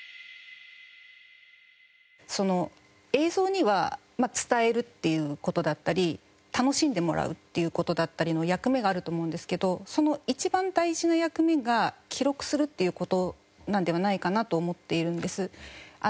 映像にはまあ伝えるっていう事だったり楽しんでもらうっていう事だったりの役目があると思うんですけどその一番大事な役目が記録するっていう事なのではないかなと思っているんです。